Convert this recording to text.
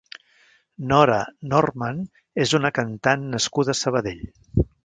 Nora Norman és una cantant nascuda a Sabadell.